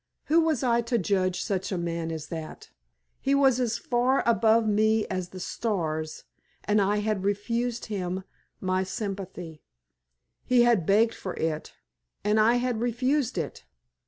Who was I to judge such a man as that? He was as far above me as the stars, and I had refused him my sympathy. He had begged for it, and I had refused it!